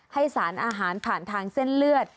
ให้สารอาหารผ่านทางเส้นเลือด